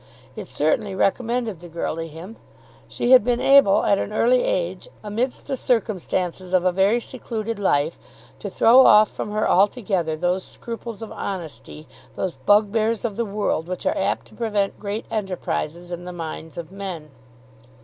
It certainly recommended the girl to him. She had been able at an early age, amidst the circumstances of a very secluded life, to throw off from her altogether those scruples of honesty, those bugbears of the world, which are apt to prevent great enterprises in the minds of men.